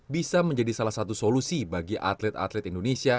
bisa menjadi salah satu solusi bagi atlet atlet indonesia